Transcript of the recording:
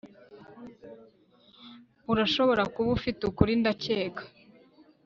Urashobora kuba ufite ukuri ndakeka